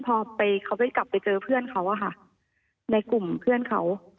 พอเขาไปกลับไปเจอเพื่อนเขาในกลุ่มเพื่อนเขา